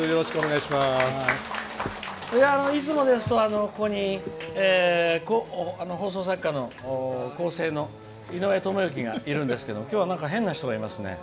いつもですと、ここに放送作家の構成の井上知幸がいるんですけども今日はなんか変な人がいますね。